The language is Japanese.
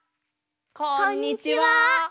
こんにちは。